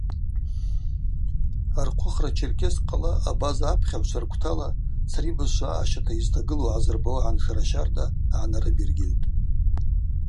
Архъвыхра Черкесск къала абаза апхьагӏвчва рквтала цри бызшва аъащата йызтагылу гӏазырбауа гӏаншара щарда гӏанарыбергьыльтӏ.